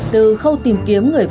từ khâu tìm kiếm người tiền